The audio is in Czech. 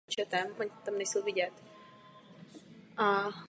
Na území Česka se správou povodí zabývá státní podnik Povodí Vltavy.